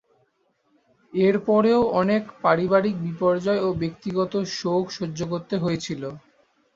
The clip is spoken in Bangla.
এর পরেও অনেক পারিবারিক বিপর্যয় ও ব্যক্তিগত শোক সহ্য করতে হয়েছিল।